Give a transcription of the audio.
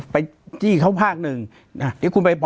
ปากกับภาคภูมิ